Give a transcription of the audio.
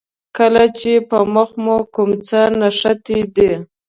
کله چې په مخ مو کوم څه نښتي دي.